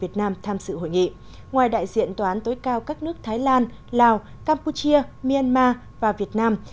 thái lan lào campuchia myanmar và việt nam